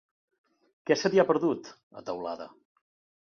Què se t'hi ha perdut, a Teulada?